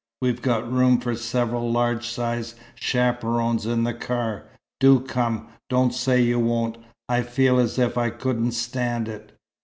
We've got room for several large sized chaperons in the car. Do come. Don't say you won't! I feel as if I couldn't stand it."